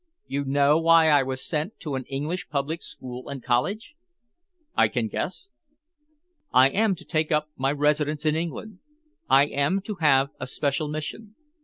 You know why I was sent to an English public school and college?" "I can guess." "I am to take up my residence in England. I am to have a special mission.